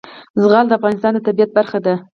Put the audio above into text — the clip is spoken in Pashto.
زغال د افغانستان د طبیعت برخه ده.